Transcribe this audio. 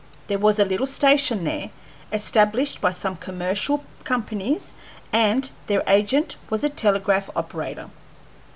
There was a little station there, established by some commercial companies, and their agent was a telegraph operator.